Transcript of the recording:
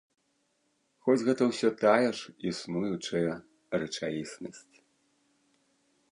Хоць гэта ўсё тая ж існуючая рэчаіснасць.